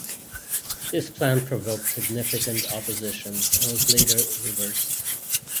This plan provoked significant opposition, and was later reversed.